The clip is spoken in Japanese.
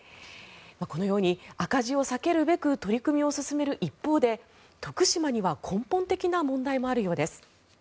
このように赤字を避けるべく取り組みを進める一方で徳島には根本的な問題もあるようです。